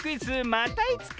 またいつか！